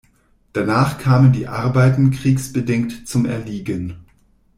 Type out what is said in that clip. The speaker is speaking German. Danach kamen die Arbeiten kriegsbedingt zum Erliegen.